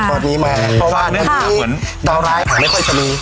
จัดอันนี้มาเพราะว่าอันนี้ดาวร้ายหลายประชานี